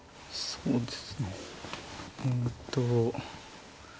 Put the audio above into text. そうです。